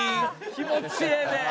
気持ちええね。